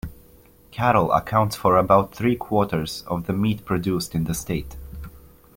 Cattle accounts for about three quarters of the meat produced in the state.